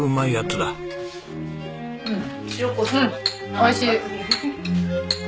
おいしい。